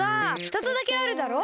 ひとつだけあるだろ？